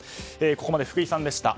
ここまで福井さんでした。